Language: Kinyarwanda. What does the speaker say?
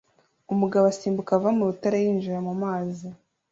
Umugabo asimbuka ava mu rutare yinjira mu mazi